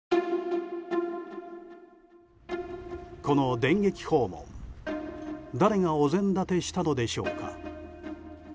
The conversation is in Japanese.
この電撃訪問、誰がおぜん立てしたのでしょうか。